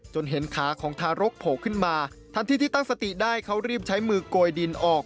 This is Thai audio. เห็นขาของทารกโผล่ขึ้นมาทันทีที่ตั้งสติได้เขารีบใช้มือโกยดินออก